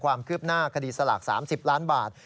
ความคืบหน้าคดีสลาก๓๐ล้านบาท